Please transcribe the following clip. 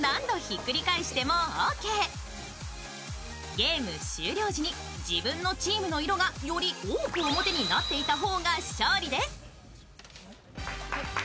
ゲーム終了時に自分のチームの色がよく多く表になっていた方が勝利です。